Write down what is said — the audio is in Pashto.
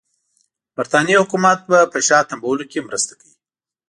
برټانیې حکومت به په شا تمبولو کې مرسته کوي.